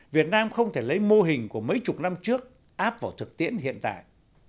việt nam không thể lấy mô hình của mấy chục năm trước áp vào thực tiễn hiện tại